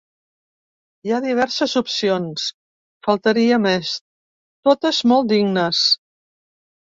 Hi ha diverses opcions, faltaria més, totes molt dignes.